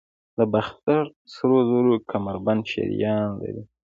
د باختر سرو زرو کمربند شیران لري